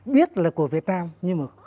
biết là của việt nam nhưng mà